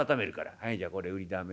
「はいじゃあこれ売りだめ」。